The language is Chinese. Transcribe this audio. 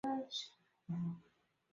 明清延之。